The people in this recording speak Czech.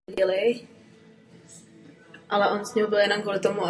Přes čtyřicet let byl spolupracovníkem Studia Ypsilon jako scénograf.